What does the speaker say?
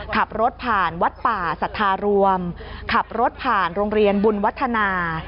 ขับรถผ่านวัดป่าสัทธารวมขับรถผ่านโรงเรียนบุญวัฒนา